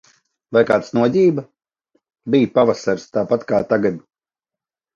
Vai kāds noģība? Bija pavasaris. Tāpat kā tagad.